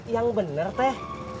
yang bener teh